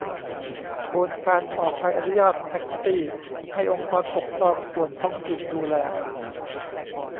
โอนการออกใบอนุญาตแท็กซี่ ให้องค์กรปกครองส่วนท้องถิ่นดูแล ?